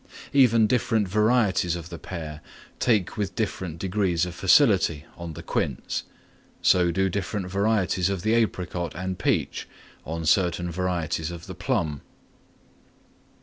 Even different varieties of the pear take with different degrees of facility on the quince; so do different varieties of the apricot and peach on certain varieties of the plum.